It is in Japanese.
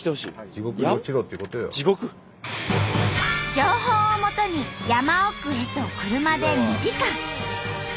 情報をもとに山奥へと車で２時間。